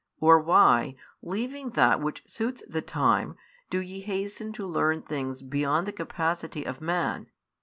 Or why, leaving that which suits the time, do ye hasten to learn things beyond the capacity of man?